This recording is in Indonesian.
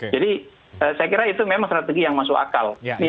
jadi saya kira itu memang strategi yang masuk akal